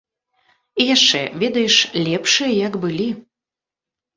І яшчэ, ведаеш, лепшыя як былі.